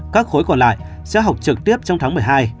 các khối còn lại sẽ học trực tiếp trong tháng một mươi hai